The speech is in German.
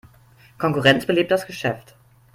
Konkurrenz belebt das Geschäft.